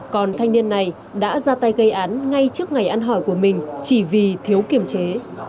còn thanh niên này đã ra tay gây án ngay trước ngày ăn hỏi của mình chỉ vì thiếu kiềm chế